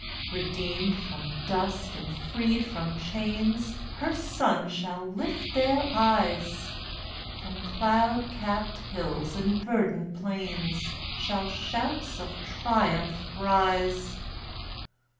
Redeemed from dust and freed from chains, Her sons shall lift their eyes; From cloud capt hills and verdant plains Shall shouts of triumph rise.